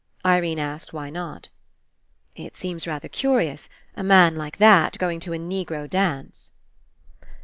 Irene asked why not. "It seems rather curious, a man like that, going to a Negro dance."